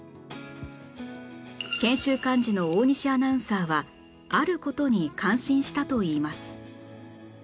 研修幹事の大西アナウンサーはある事に感心したといいます